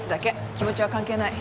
気持ちは関係ない。